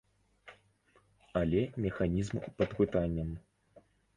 Але механізм пад пытаннем.